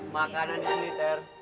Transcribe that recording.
makanan ini ter